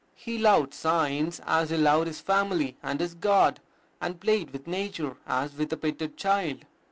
He loved science as he loved his family and his God, and played with Nature as with a petted child.